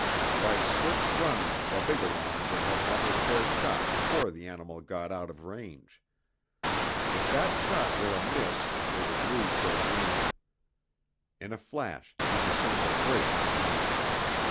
By swift running Wabigoon would have another fair shot before the animal got out of range. If that shot were a miss they would lose their game. In a flash he discerned a break in the mountain.